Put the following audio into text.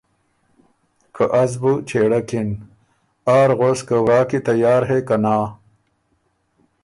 که از بُو چېړکِن۔ آر غؤس که ورا کی تیار هئ که نا،